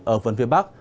ở phần phía bắc